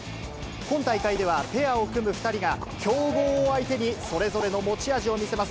今大会ではペアを組む２人が強豪を相手に、それぞれの持ち味を見せます。